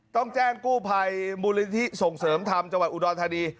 ต้องแจ้งกู้ภัยมูลนิธิส่งเสริมธรรมจังหวัดอุดรธานี